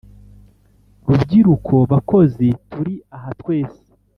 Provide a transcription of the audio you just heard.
rubyiruko, bakozi turi aha twese